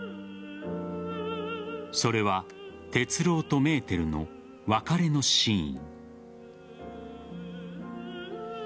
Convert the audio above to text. それは鉄郎とメーテルの別れのシーン。